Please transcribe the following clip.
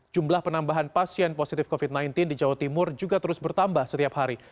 jumlah penambahan pasien positif covid sembilan belas di jawa timur juga terus bertambah setiap hari